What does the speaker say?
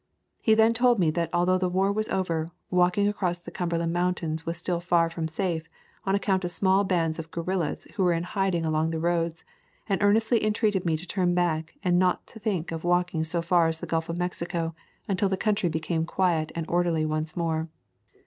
He then told me that although the war was over, walking across the Cumberland Mountains still was far from safe on account of small bands of guerrillas who were in hiding along the roads, and earnestly entreated me to turn back and not to think of walking so far as the Gulf of Mexico until the country be came quiet and orderly once more.